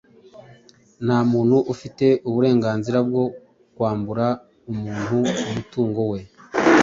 Nta muntu ufite uburenganzira bwo kwambura umuntu umutungo we.